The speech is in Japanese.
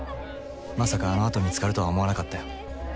まさかあのあと見つかるとは思わなかったよ。